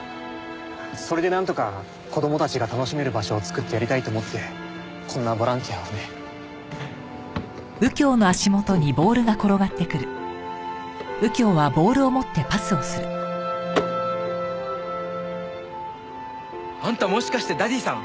それでなんとか子供たちが楽しめる場所を作ってやりたいと思ってこんなボランティアをね。あっ。あんたもしかしてダディさん？